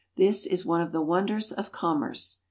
This is one of the wonders of commerce.